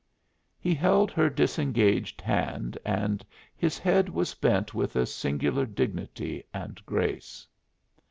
He held her disengaged hand and his head was bent with a singular dignity and grace.